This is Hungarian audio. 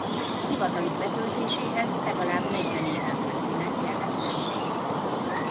Hivataluk betöltéséhez legalább negyven éven felülinek kellett lenni.